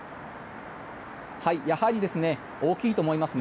やはり大きいと思いますね。